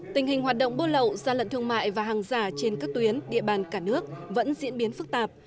tình hình hoạt động bô lậu gian lận thương mại và hàng giả trên các tuyến địa bàn cả nước vẫn diễn biến phức tạp